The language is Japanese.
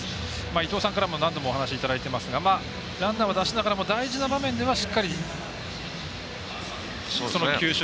伊東さんからも何度もお話いただいてますがランナーを出しながらも大事な場面ではしっかりその球種